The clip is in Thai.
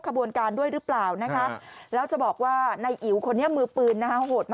ขบวนการด้วยหรือเปล่านะคะแล้วจะบอกว่าในอิ๋วคนนี้มือปืนนะฮะโหดมาก